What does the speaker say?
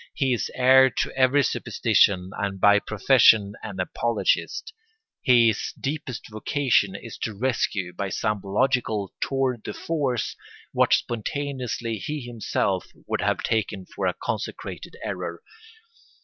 He is heir to every superstition and by profession an apologist; his deepest vocation is to rescue, by some logical tour de force, what spontaneously he himself would have taken for a consecrated error.